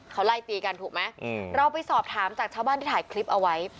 เขาไล่ตีกันถูกไหมเราไปสอบถามจากชาวบ้านที่ถ่ายคลิปเอาไว้